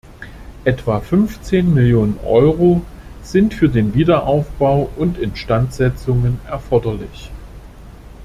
Etwa fünfzehn Millionen Euro sind für den Wiederaufbau und Instandsetzungen erforderlich.